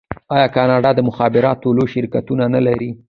آیا کاناډا د مخابراتو لوی شرکتونه نلري؟